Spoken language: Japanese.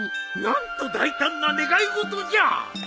何と大胆な願い事じゃ。